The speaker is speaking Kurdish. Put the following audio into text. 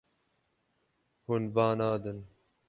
Hûn ba nadin.